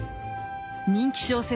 人気小説